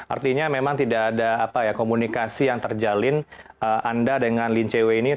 artinya memang tidak ada komunikasi yang terjalin anda dengan lin cw ini